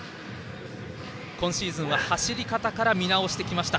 今シーズンは走り方から見直してきました。